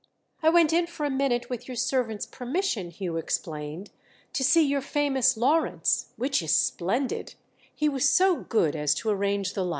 "I went in for a minute, with your servant's permission," Hugh explained, "to see your famous Lawrence—which is splendid; he was so good as to arrange the light."